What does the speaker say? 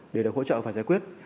để được hỗ trợ và giải quyết